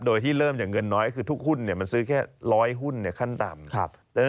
ของคุณคนที่เริ่มกับเงินน้อยคือทุกหุ้นซื้อแค่๑๐๐หุ้นในขั้นต่ำ